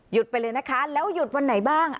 ไปเลยนะคะแล้วหยุดวันไหนบ้าง